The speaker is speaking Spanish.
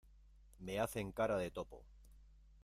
me hacen cara de topo.